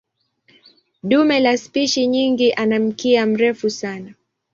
Dume la spishi nyingi ana mkia mrefu sana.